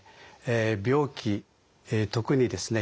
病気特にですね